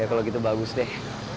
kalau gitu bagus deh